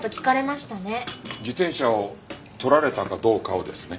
自転車を盗られたかどうかをですね？